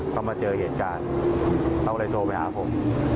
เขามาเจอเหตุการณ์เขาก็เลยโทรไปหาผม